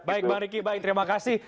baik bang riki baik terima kasih